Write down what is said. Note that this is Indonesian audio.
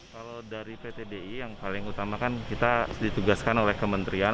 kalau dari pt di yang paling utama kan kita ditugaskan oleh kementerian